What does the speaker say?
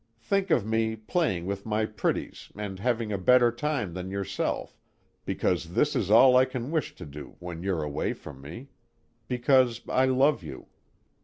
think of me playing with my pretties and having a better time than yourself, because this is all I can wish to do when you're away from me. Because I love you.